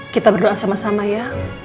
kita berdoa sama sama ya